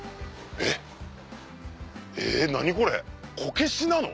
え何これこけしなの？